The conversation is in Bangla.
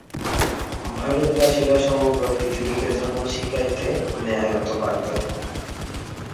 ভারতবাসীরা সমগ্র পৃথিবীকে ধর্ম শিখাইতে ন্যায়ত বাধ্য।